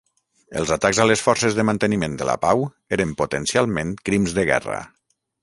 Els atacs a les forces de manteniment de la pau eren potencialment crims de guerra.